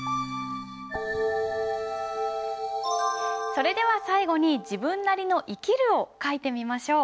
それでは最後に自分なりの「生きる」を書いてみましょう。